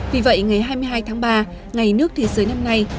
vì vậy ngày hai mươi hai tháng ba ngày nước thế giới năm nay